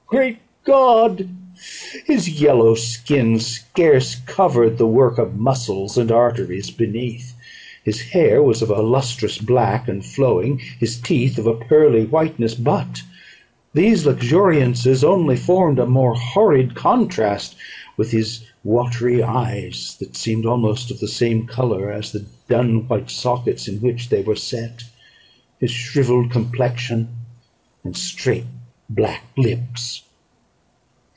Great God! His yellow skin scarcely covered the work of muscles and arteries beneath; his hair was of a lustrous black, and flowing; his teeth of a pearly whiteness; but these luxuriances only formed a more horrid contrast with his watery eyes, that seemed almost of the same colour as the dun white sockets in which they were set, his shrivelled complexion and straight black lips.